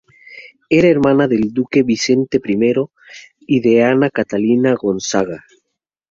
Era hermana del duque Vicente I y de Ana Catalina Gonzaga.